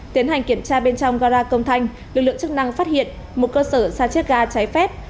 tiến hành kiểm tra bên trong gara công thanh lực lượng chức năng phát hiện một cơ sở sa chết ga cháy phép